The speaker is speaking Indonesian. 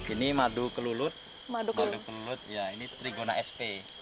ini madu kelulut ini trigona sp